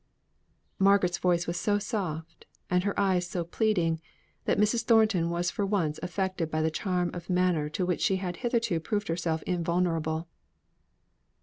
Margaret's voice was so soft, and her eyes so pleading, that Mrs. Thornton was for once affected by the charm of manner to which she had hitherto proved herself invulnerable.